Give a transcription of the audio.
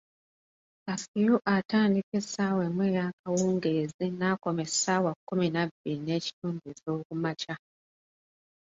Kafiyu atandika essaawa emu eyakawungeezi n'akoma essaawa kumi na bbiri n'ekitundu ez'okumakya.